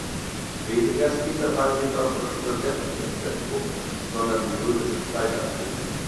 Weniger steht dabei jedoch das Übersetzen im Zentrum, sondern die römische Zeit an sich.